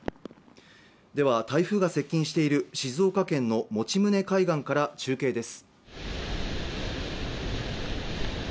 台風が接近している静岡県の用宗海岸から中継です。